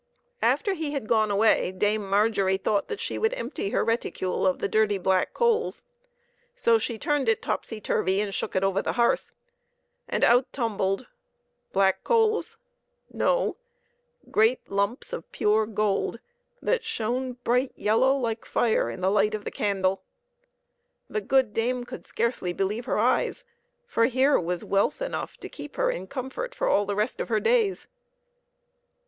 After he had gone away, Dame Mar gery thought that she would empty her reticule of the dirty black coals; so she turned it topsy turvey, and "shook it over the hearth, and out tumbled black coals ? No ; great lumps of pure gold that shone bright yellow, like fire, in the light of the candle. The PEPPER AND SALT. good dame could scarcely believe her eyes, for here was wealth enough to keep her in comfort for all the rest of her days.